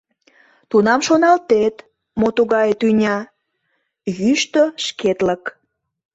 Тунам шоналтет: мо тугае тӱня — йӱштӧ шкетлык?!